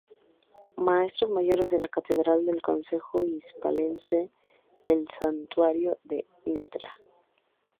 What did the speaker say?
Maestros Mayores de la Catedral y del Concejo Hispalense, El Santuario de Ntra.